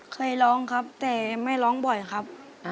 เคยร้องครับแต่ไม่ร้องบ่อยครับ